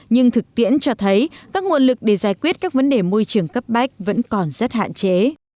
nhưng thực tiễn cho thấy các nguồn lực để giải quyết các vấn đề môi trường cấp bách vẫn còn rất hạn chế